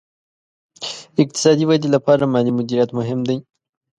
اقتصادي ودې لپاره مالي مدیریت مهم دی.